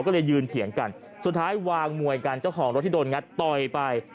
ก็เลยยืนเถียงกันสุดท้ายวางมวยกันเจ้าของรถที่โดนงัดต่อยไป